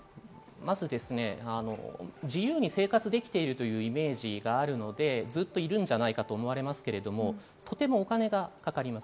まず自由に生活できているというイメージがあるので、ずっといるんじゃないかと思われますけれども、とてもお金がかかります。